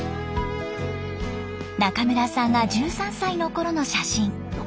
中村さんが１３歳のころの写真。